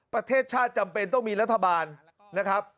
ประเทศชาติจำเป็นต้องมีรัฐบาลนะครับ